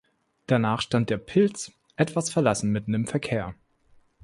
Danach stand der „Pilz“ etwas verlassen mitten im Verkehr.